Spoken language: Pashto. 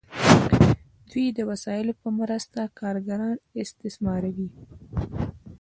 دوی د وسایلو په مرسته کارګران استثماروي.